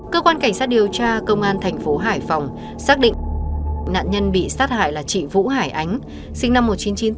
cơ quan cảnh sát điều tra công an thành phố hải phòng xác định nạn nhân bị sát hại là chị vũ hải ánh sinh năm một nghìn chín trăm chín mươi